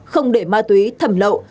không để ma túy thẩm lậu